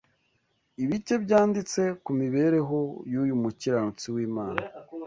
Ibike byanditse ku mibereho y’uyu mukiranutsi w’Imana